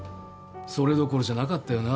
それどころじゃなかったよな。